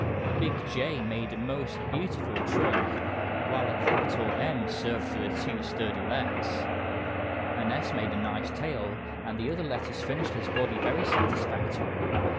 A big J made a most beautiful trunk, while a capital M served for two sturdy legs. An S made a nice tail, and the other letters finished his body very satisfactorily.